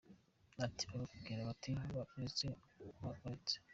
Ati “bakambwira bati ba uretse ba uretse.